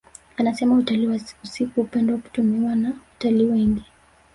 Anasema utalii wa usiku hupendwa kutumiwa na watalii wengi